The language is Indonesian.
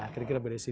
kira kira beda sih